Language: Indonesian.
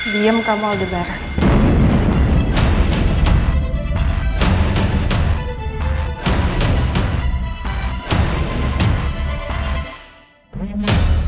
diam kamu aldebaran